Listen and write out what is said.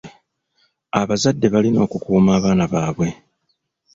Abazadde balina okukuuma abaana baabwe.